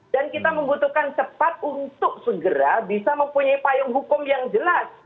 dan kita membutuhkan cepat untuk segera bisa mempunyai payung hukum yang jelas